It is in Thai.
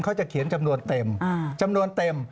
เขาจะเขียนจำนวนเต็มจำนวนเต็ม